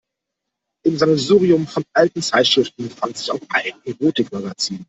Im Sammelsurium von alten Zeitschriften fand sich auch ein Erotikmagazin.